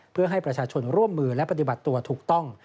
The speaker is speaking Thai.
เพื่อให้ประชาชนร่วมมือและปฏิบัติตัวถูกต้อง